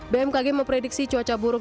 bmkg memprediksi cuaca buruk